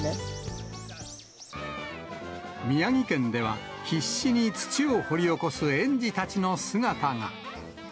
宮城県では、必死に土を掘り起こす園児たちの姿が。